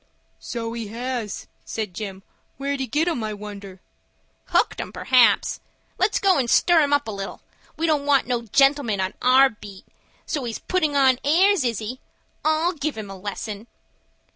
"So he has," said Jim. "Where'd he get 'em, I wonder?" "Hooked 'em, p'raps. Let's go and stir him up a little. We don't want no gentlemen on our beat. So he's puttin' on airs,—is he? I'll give him a lesson."